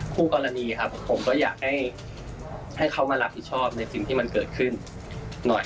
คู่กรณีครับผมก็อยากให้เขามารับผิดชอบในสิ่งที่มันเกิดขึ้นหน่อย